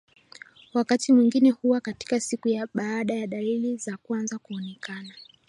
wakati mwingine huwa kati ya siku baada ya dalili za kwanza kuonekana